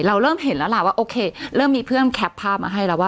เราเริ่มเห็นแล้วล่ะว่าโอเคเริ่มมีเพื่อนแคปภาพมาให้แล้วว่า